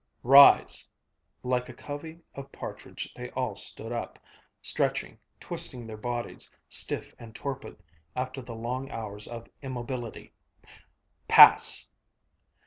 "Rise!" Like a covey of partridge, they all stood up, stretching, twisting their bodies, stiff and torpid after the long hours of immobility. "Pass!"